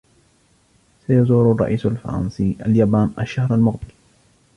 سيزور الرئيس الفرنسي اليابان الشهر المقبل.